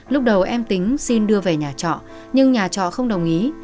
lúc đầu em tính xin đưa về nhà trọ nhưng nhà trọ không đồng ý